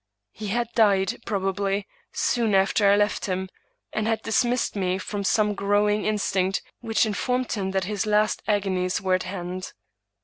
He had died, probably, soon after I left him, and had dismissed me from some growing instinct which informed him that his last agonies were at hand.